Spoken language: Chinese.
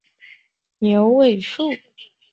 牛尾树